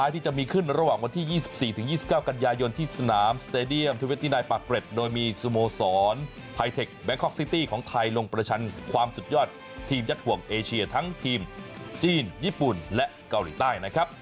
ทีมเตียม๒๙ปรับเปร็จโดยมีสุโมสรไทเทคแบงคอร์กซิตี้ของไทยลงประชันความสุดยอดทีมยัดห่วงเอเชียทั้งทีมจีนญี่ปุ่นและเกาหลีใต้นะครับ